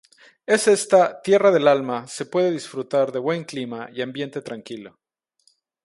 Es esta "tierra del alma" se puede disfrutar de buen clima y ambiente tranquilo.